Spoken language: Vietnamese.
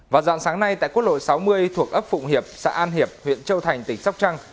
vào dạng sáng nay tại quốc lộ sáu mươi thuộc ấp phụng hiệp xã an hiệp huyện châu thành tỉnh sóc trăng